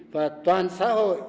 và toàn xã hội